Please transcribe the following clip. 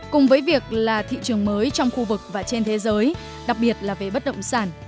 cùng với việc là thị trường mới trong khu vực và trên thế giới đặc biệt là về bất động sản